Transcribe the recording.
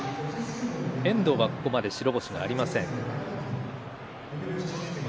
遠藤はここまで白星がありません。